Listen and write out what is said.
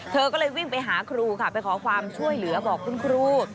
เธอก็เลยวิ่งไปหาครูค่ะไปขอความช่วยเหลือบอกคุณครู